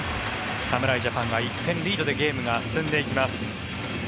侍ジャパンが１点リードでゲームが進んでいきます。